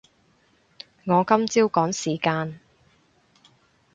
我今朝趕時間